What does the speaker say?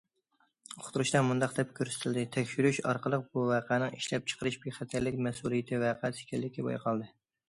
ئۇقتۇرۇشتا مۇنداق دەپ كۆرسىتىلدى: تەكشۈرۈش ئارقىلىق بۇ ۋەقەنىڭ ئىشلەپچىقىرىش بىخەتەرلىك مەسئۇلىيىتى ۋەقەسى ئىكەنلىكى بايقالدى.